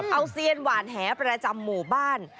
เอาเซียนหวานแหประจำหมู่บ้าน